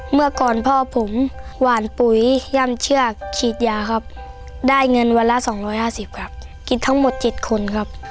เมื่อก่อนพ่อผมหวานปุ๋ยย่ำเชือกฉีดยาครับได้เงินวันละ๒๕๐ครับกินทั้งหมด๗คนครับ